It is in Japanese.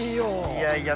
いやいや。